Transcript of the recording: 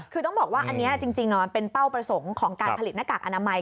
คือต้องบอกว่าอันนี้จริงมันเป็นเป้าประสงค์ของการผลิตหน้ากากอนามัย